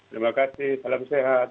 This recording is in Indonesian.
terima kasih salam sehat